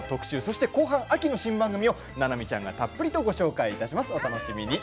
後半は秋の新番組ななみちゃんがたっぷりとご紹介します。